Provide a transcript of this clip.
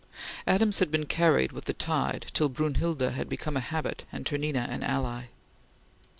Adams had been carried with the tide till Brunhilde had become a habit and Ternina an ally.